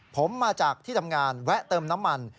ผมมาจากที่ทำงานแวะเติมน้ำมัน